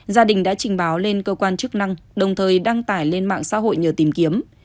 gia đình đã trình báo lên cơ quan chức năng đồng thời đăng tải lên mạng xã hội nhờ tìm kiếm